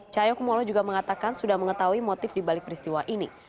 cahyokumolo juga mengatakan sudah mengetahui motif di balik peristiwa ini